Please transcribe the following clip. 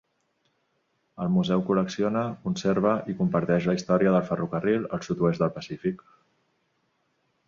El museu col·lecciona, conserva i comparteix la història del ferrocarril al sud-oest del Pacífic.